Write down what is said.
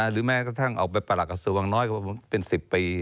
หรือแม้กระทั่งออกไปประหลักกระทรวงน้อยเป็น๑๐ปี